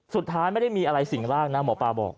สุดท้ายไม่ได้มีอะไรสิ่งร่างนะหมอปลาบอก